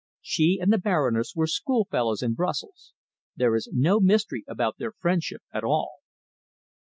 She and the Baroness were schoolfellows in Brussels. There is no mystery about their friendship at all."